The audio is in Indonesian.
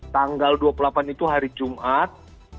tanggal dua puluh delapan itu hari jumat